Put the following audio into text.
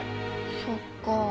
そっか。